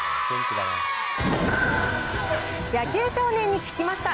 野球少年に聞きました。